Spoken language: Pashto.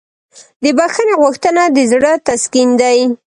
د بښنې غوښتنه د زړه تسکین دی.